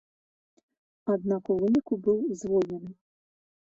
Аднак у выніку быў звольнены.